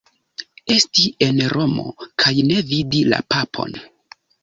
Esti en Romo kaj ne vidi la Papon.